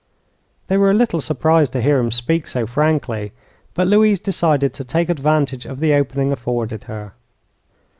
They were a little surprised to hear him speak so frankly. But Louise decided to take advantage of the opening afforded her.